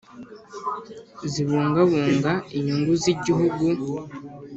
Zibungabunga inyungu z igihugu